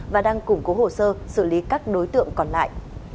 và đang củng cố hồ sơ xử lý các đối tượng còn lại